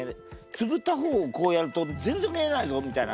つぶった方をこうやると全然見えないぞみたいな